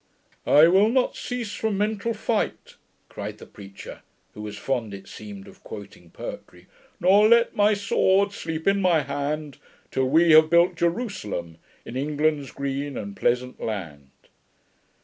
'I will not cease from mental fight,' cried the preacher, who was fond, it seemed, of quoting poetry, 'nor let my sword sleep in my hand, till we have built Jerusalem in England's green and pleasant land.'